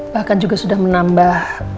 bahkan juga sudah menambah